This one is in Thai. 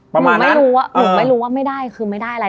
ประมาณนั้นหนูไม่รู้ว่าไม่ได้คือไม่ได้อะไร